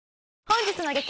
本日の激